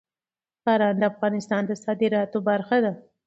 باران د افغانستان د صادراتو برخه ده.